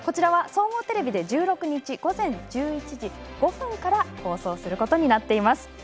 総合テレビで１６日午前１１時５分から放送することになっています。